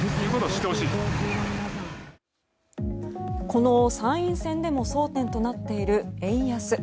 この参院選でも争点となっている円安。